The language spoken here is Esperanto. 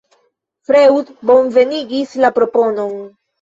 Freud bonvenigis la proponon.